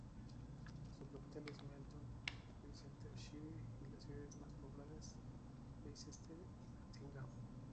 Su capital es Melton, Leicestershire, y las ciudades más pobladas, Leicester y Nottingham.